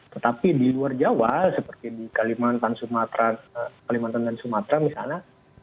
tetapi di luar jawa seperti di kalimantan dan sumatera misalnya